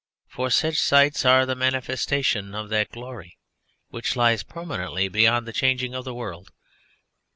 For such sights are the manifestation of that glory which lies permanent beyond the changing of the world.